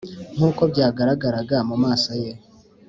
nkuko byagaragaraga mu maso ye,